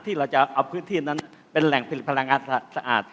ที่เราจะเอาพื้นที่นั้นเป็นแหล่งผลิตพลังงานสะอาด